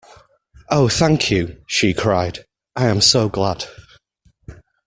Oh thank you! she cried. I am so glad!